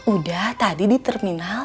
udah tadi di terminal